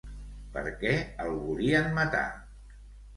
Per què el volien matar?